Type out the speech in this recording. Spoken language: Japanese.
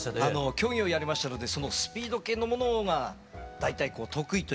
競技をやりましたのでスピード系のものが大体得意といいますか。